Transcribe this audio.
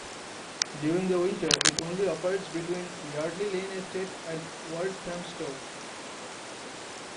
During the winter it only operates between Yardley Lane Estate and Walthamstow.